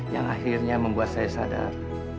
yang akhirnya membuat saya sadar